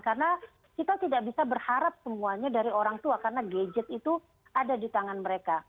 karena kita tidak bisa berharap semuanya dari orang tua karena gadget itu ada di tangan mereka